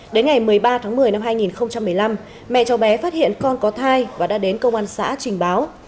đến ngày một mươi ba tháng một mươi năm hai nghìn một mươi năm mẹ cháu bé phát hiện con có thai và đã đến công an xã trình báo